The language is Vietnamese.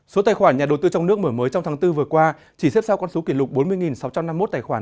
số tài khoản nhà đầu tư trong nước mở mới trong tháng bốn vừa qua chỉ xếp sau con số kỷ lục bốn mươi sáu trăm năm mươi một tài khoản